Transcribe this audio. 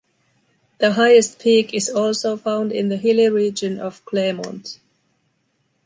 The highest peak is also found in the hilly region of Clermont.